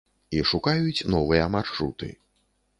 І шукаюць новыя маршруты.